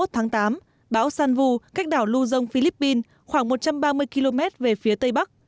hai mươi một tháng tám bão san vu cách đảo luzon philippines khoảng một trăm ba mươi km về phía tây bắc